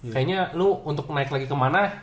kayaknya lu untuk naik lagi kemana